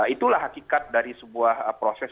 itulah hakikat dari sebuah proses